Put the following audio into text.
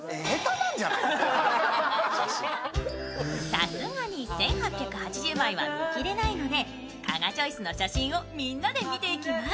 さすがに１８８０枚は見切れないので加賀チョイスの写真をみんなで見ていきます。